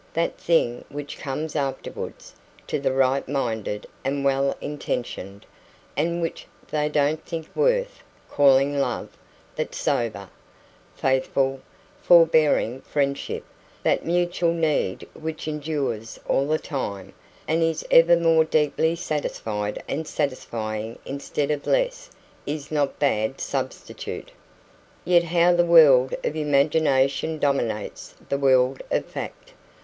That thing which comes afterwards, to the right minded and well intentioned, and which they don't think worth calling love that sober, faithful, forbearing friendship, that mutual need which endures all the time, and is ever more deeply satisfied and satisfying instead of less is no bad substitute. Yet how the world of imagination dominates the world of fact!